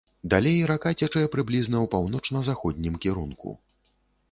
Далей рака цячэ прыблізна ў паўночна-заходнім кірунку.